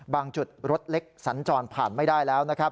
บางจุดรถเล็กสันจรผ่านไม่ได้แล้ว